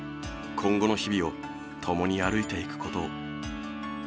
今後の日々を共に歩いていくことを。